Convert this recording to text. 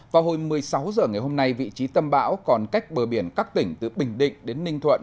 vào hồi một mươi sáu h ngày hôm nay vị trí tâm bão còn cách bờ biển các tỉnh từ bình định đến ninh thuận